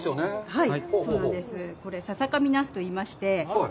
はい。